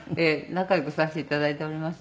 仲良くさせて頂いております。